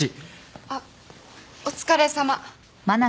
あっお疲れさま。